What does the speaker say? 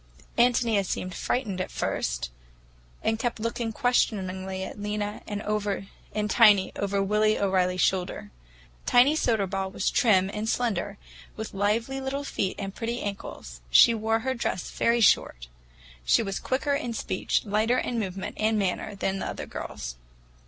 Ántonia seemed frightened at first, and kept looking questioningly at Lena and Tiny over Willy O'Reilly's shoulder. Tiny Soderball was trim and slender, with lively little feet and pretty ankles—she wore her dresses very short. She was quicker in speech, lighter in movement and manner than the other girls.